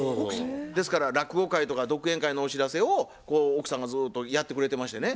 ですから落語会とか独演会のお知らせを奥さんがずっとやってくれてましてね